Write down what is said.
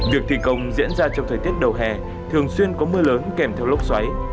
việc thi công diễn ra trong thời tiết đầu hè thường xuyên có mưa lớn kèm theo lốc xoáy